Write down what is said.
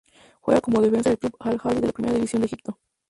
Juega como defensa de club Al-Ahly de la Primera División de Egipto.